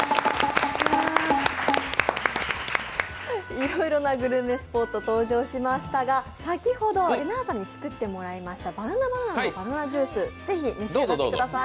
いろいろなグルメスポット、登場しましたが先ほどれなぁさんに作ってもらいましたＢａｎａｎａ×Ｂａｎａｎａのバナナジュース、ぜひ、召し上がってください。